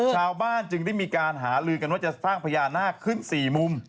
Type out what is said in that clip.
ชาวบ้านจึงได้มีการหาลือกันว่าจะสร้างพญานาคขึ้น๔มุม